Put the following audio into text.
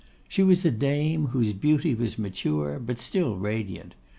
She was a dame whose beauty was mature, but still radiant.